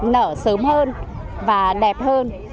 nở sớm hơn và đẹp hơn